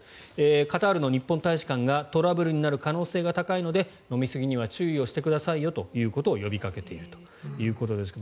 カタールの日本大使館がトラブルになる可能性が高いので飲みすぎには注意をしてくださいよということを呼びかけているということですが